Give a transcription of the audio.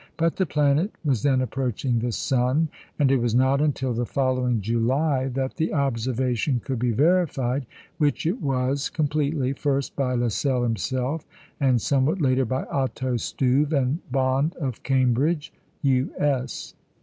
But the planet was then approaching the sun, and it was not until the following July that the observation could be verified, which it was completely, first by Lassell himself, and somewhat later by Otto Stuve and Bond of Cambridge (U.S.).